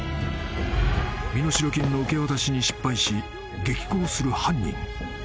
［身代金の受け渡しに失敗し激高する犯人］